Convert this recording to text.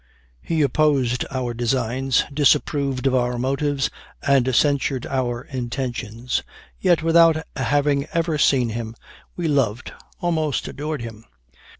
He opposed our designs, disapproved of our motives, and censured our intentions; yet without having ever seen him, we loved almost adored him.